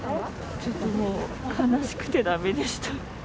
ちょっともう、悲しくてだめでした。